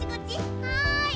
はい。